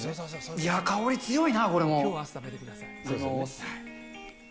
いや、香り強いな、これも。